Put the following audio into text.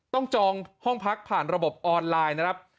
จองห้องพักผ่านระบบออนไลน์นะครับ